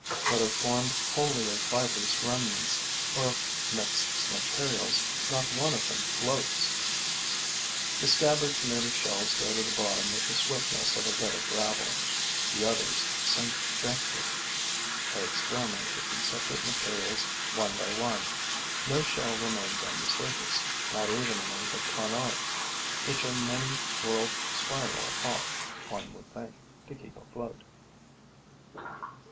Whether formed wholly of fibrous remnants or of mixed materials, not one of them floats. The scabbards made of shells go to the bottom with the swiftness of a bit of gravel; the others sink gently. I experiment with the separate materials one by one. No shell remains on the surface, not even among the Planorbes, which a many whorled spiral ought, one would think, to keep afloat.